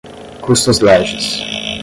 custos legis